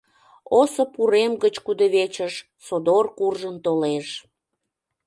Осып урем гыч кудывечыш содор куржын толеш.